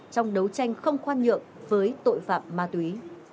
trong đấu tranh không khoan nhượng với tội phạm ma túy